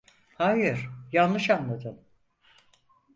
Hayır, yanlış anladın.